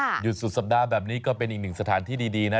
หยุดสุดสัปดาห์แบบนี้ก็เป็นอีกหนึ่งสถานที่ดีนะ